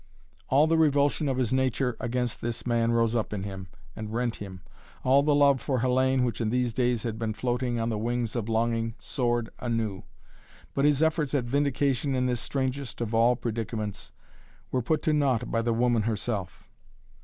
All the revulsion of his nature against this man rose up in him and rent him. All the love for Hellayne, which in these days had been floating on the wings of longing, soared anew. But his efforts at vindication in this strangest of all predicaments were put to naught by the woman herself.